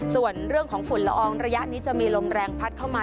ส่วนเรื่องของฝุ่นละอองระยะนี้จะมีลมแรงพัดเข้ามา